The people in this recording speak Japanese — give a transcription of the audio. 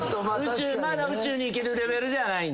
まだ宇宙に行けるレベルじゃないんじゃない？